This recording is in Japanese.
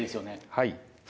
はい。